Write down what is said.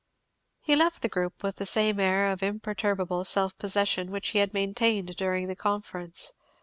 He left the group with the same air of imperturbable self possession which he had maintained during the conference.